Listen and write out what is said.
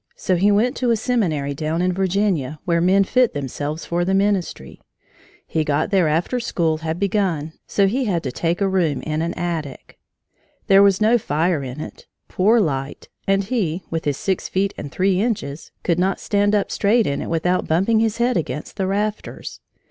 So he went to a seminary down in Virginia, where men fit themselves for the ministry. He got there after school had begun, so he had to take a room in an attic. There was no fire in it, poor light, and he, with his six feet and three inches, could not stand up straight in it without bumping his head against the rafters.